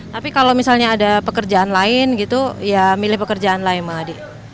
tapi kalau misalnya ada pekerjaan lain gitu ya milih pekerjaan lain mah adi